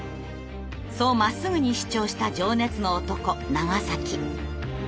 そうまっすぐに主張した情熱の男長。